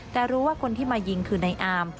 แต่รู้ว่าคนที่มายิงคือในอาม